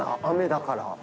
雨だから。